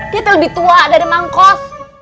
dia teh lebih tua dari mangkos